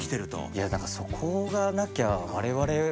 いやだからそこがなきゃ我々は。